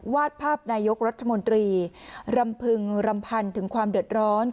วาดภาพนายกรัฐมนตรีรำพึงรำพันถึงความเดือดร้อน